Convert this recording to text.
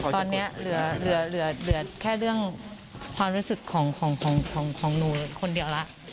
ตอนนี้เหลือแค่เรื่องความรู้สึกของหนูคนเดียวแล้ว